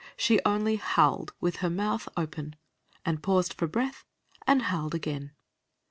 She only howled with her mouth open, and paused for breath, and howled again.